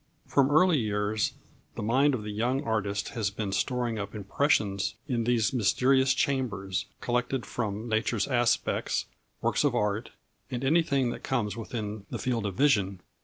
From early years the mind of the young artist has been storing up impressions in these mysterious chambers, collected from nature's aspects, works of art, and anything that comes within the field of vision.